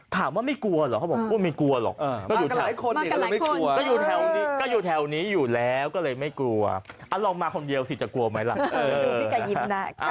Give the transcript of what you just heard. ถามว่าไม่กลัวหรอเขาบอกว่าไม่กลัวหรอกมากก็หลายคนอีกก็เลยไม่กลัวก็อยู่แถวนี้อยู่แล้วก็เลยไม่กลัวอ่ะลองมาคนเดียวสิจะกลัวไหมล่ะ